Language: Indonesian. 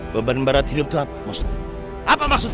beban barat hidup itu apa maksudnya apa maksudnya